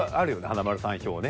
華丸さん票ね。